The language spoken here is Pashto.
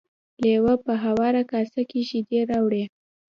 لیوه په هواره کاسه کې شیدې راوړې.